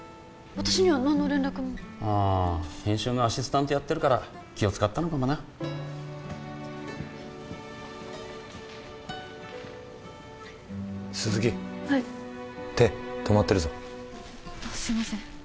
私には何の連絡もあ編集のアシスタントやってるから気を使ったのかもな鈴木はい手止まってるぞすいません